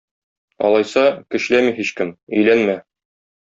Алайса, көчләми һичкем, өйләнмә